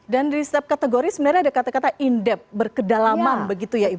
dan di setiap kategori sebenarnya ada kata kata indeb berkedalaman begitu ya ibu rita